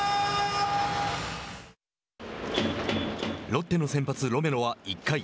ロッテの先発ロメロは、１回。